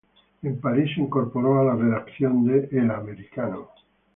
En París se incorporó a la redacción de "El Americano".